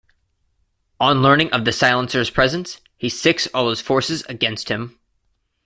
On learning of the Silencer's presence, he sics all his forces against him.